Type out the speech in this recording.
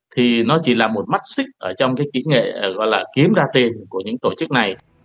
thì nó chỉ là một mắt xích ở trong cái kỹ nghệ gọi là kiếm ra tiền của những tổ chức này